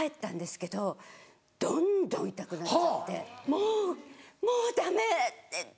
「もうもうダメ」って言って。